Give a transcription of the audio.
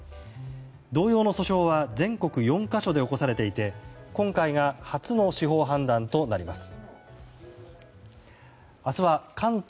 同様の訴訟は全国４か所で起こされていて今回が初の司法判断となります。